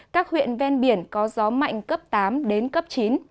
các huyện ven biển có gió mạnh cấp tám đến cấp chín